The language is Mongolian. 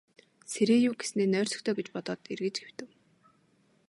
Сэрээе юү гэснээ нойрсог доо гэж бодоод эргэж хэвтэв.